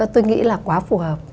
tôi nghĩ là quá phù hợp